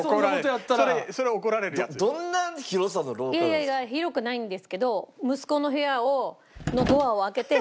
いやいや広くないんですけど息子の部屋のドアを開けて